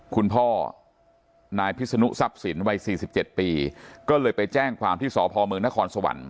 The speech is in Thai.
คุณพ่อนายพิศนุทรัพย์สินวัย๔๗ปีก็เลยไปแจ้งความที่สพเมืองนครสวรรค์